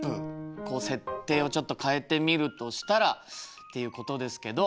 こう設定をちょっと変えてみるとしたらっていうことですけど。